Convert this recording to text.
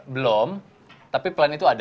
belum tapi plan itu ada